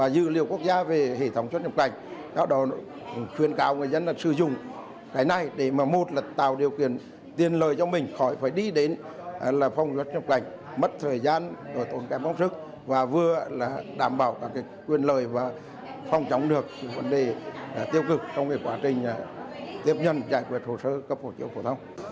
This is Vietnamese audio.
dự liệu quốc gia về hệ thống chốt nhập cảnh khuyên cáo người dân sử dụng cái này để một là tạo điều kiện tiền lợi cho mình khỏi phải đi đến phòng chốt nhập cảnh mất thời gian tốn kém bóng sức và vừa đảm bảo quyền lợi và phòng chống được vấn đề tiêu cực trong quá trình tiếp nhận giải quyết hồ sơ cấp hộ chiếu phổ thông